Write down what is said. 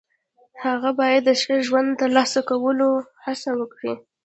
هغه باید د ښه ژوند د ترلاسه کولو هڅه وکړي.